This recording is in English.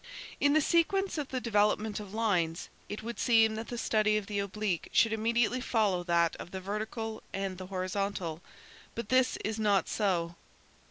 "In the sequence of the development of lines, it would seem that the study of the oblique should immediately follow that of the vertical and the horizontal, but this is not so!